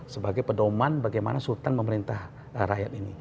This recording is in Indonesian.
sebagai pedoman bagaimana sultan memerintah rakyat ini